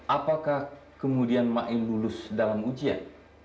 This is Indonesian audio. apakah kemudian maim lulus dalam ujian